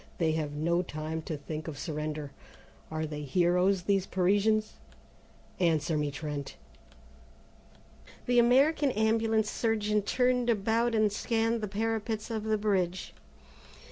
They have no time to think of surrender. Are they heroes, these Parisians? Answer me, Trent!" The American Ambulance surgeon turned about and scanned the parapets of the bridge.